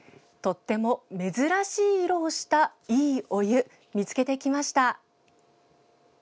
とても珍しい色をした「いいお湯」見つけてきました！